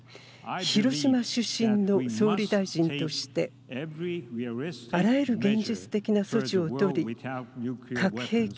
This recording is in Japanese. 広島出身の総理大臣としてあらゆる現実的な措置を取り核兵器